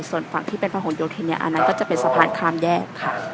ส่วนฝั่งที่เป็นพระหลโยธินเนี่ยอันนั้นก็จะเป็นสะพานข้ามแยกค่ะ